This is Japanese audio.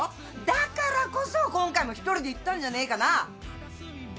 だからこそ今回も一人で行ったんじゃねえかな！